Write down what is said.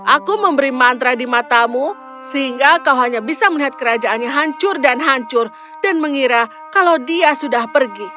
aku memberi mantra di matamu sehingga kau hanya bisa melihat kerajaannya hancur dan hancur dan mengira kalau dia sudah pergi